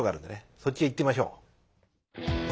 そっちへ行ってみましょう。